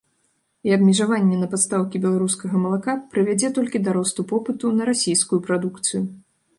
І абмежаванне на пастаўкі беларускага малака прывядзе толькі да росту попыту на расійскую прадукцыю.